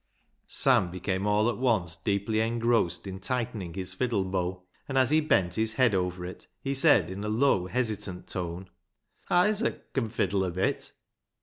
" Sam became all at once deeply engrossed in tightening his fiddle bow, and as he bent his head over it he said, in a low, hesitant tone —" Isaac con fiddle a bit."